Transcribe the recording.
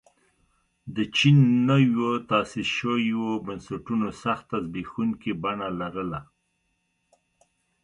د چین نویو تاسیس شویو بنسټونو سخته زبېښونکې بڼه لرله.